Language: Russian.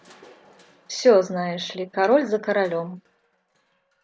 Всё, знаешь ли, король за королем.